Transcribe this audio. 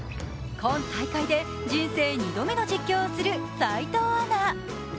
今大会で人生２度目の実況をする齋藤アナ。